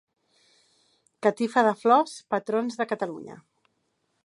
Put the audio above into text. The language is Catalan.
Catifa de flors "Patrons de Catalunya".